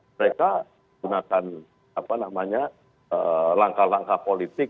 mereka gunakan apa namanya langkah langkah politik